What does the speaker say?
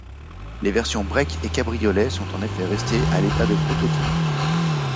Les versions break et cabriolet sont en effet restées à l’état de prototypes.